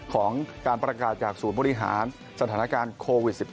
ของการประกาศจากศูนย์บริหารสถานการณ์โควิด๑๙